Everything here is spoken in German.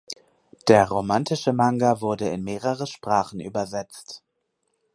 Der romantische Manga wurde in mehrere Sprachen übersetzt.